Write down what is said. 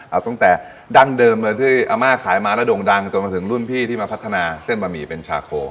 เอาตั้งแต่ดั้งเดิมเลยที่อาม่าขายมาแล้วโด่งดังจนมาถึงรุ่นพี่ที่มาพัฒนาเส้นบะหมี่เป็นชาโค